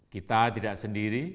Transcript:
kita tidak sendiri